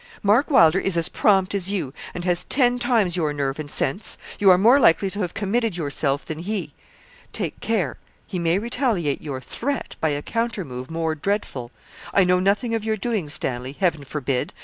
Mark Wylder is as prompt as you, and has ten times your nerve and sense; you are more likely to have committed yourself than he. Take care; he may retaliate your threat by a counter move more dreadful. I know nothing of your doings, Stanley Heaven forbid!